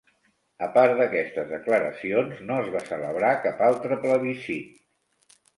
Apart d'aquestes declaracions, no es va celebrar cap altre plebiscit.